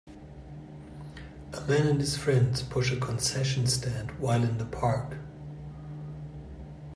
A man and his friend push a concession stand while in the park.